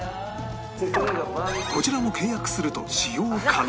こちらも契約すると使用可能